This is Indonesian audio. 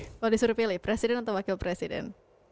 kalau disuruh pilih presiden atau wakil presiden